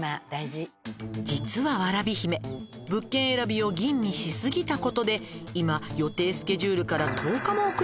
「実はわらび姫物件選びを吟味しすぎたことで今予定スケジュールから」